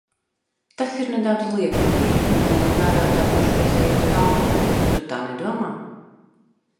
Tas ir nedaudz liekulīgi, ņemot vērā tavu pašreizējo stāvokli, tu tā nedomā?